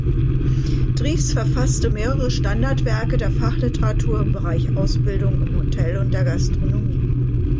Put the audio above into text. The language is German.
Dries verfasste mehrere Standardwerke der Fachliteratur im Bereich Ausbildung im Hotel und der Gastronomie.